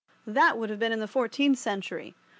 That would be in the fourteenth century.